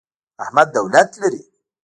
احمد دولت لري.